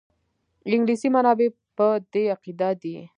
انګلیسي منابع په دې عقیده دي.